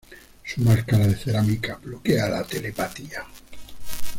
Su máscara de cerámica bloquea la telepatía.